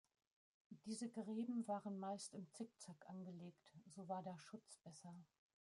Diese Gräben waren meist im Zickzack angelegt, so war der Schutz besser.